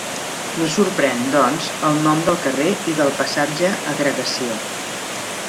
No sorprèn, doncs, el nom del carrer i del passatge Agregació.